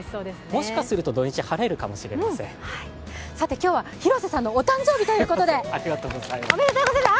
今日は広瀬さんのお誕生日ということでおめでとうございます！